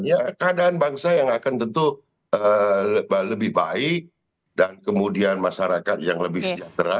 ya keadaan bangsa yang akan tentu lebih baik dan kemudian masyarakat yang lebih sejahtera